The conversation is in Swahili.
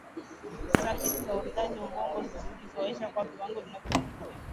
sakiti za uridhikaji ubongo hujizoesha kwa viwango vinavyoongezeka